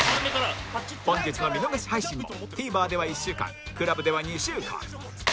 本日の見逃し配信も ＴＶｅｒ では１週間 ＣＬＵＢ では２週間